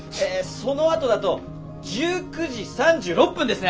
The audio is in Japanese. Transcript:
そのあとだと１９時３６分ですね。